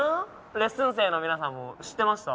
レッスン生の皆さんも知ってました？